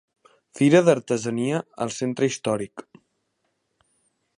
Fira d'artesania al centre històric.